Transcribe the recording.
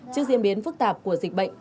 trước diễn biến phức tạp của dịch bệnh